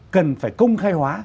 cần phải công khai hóa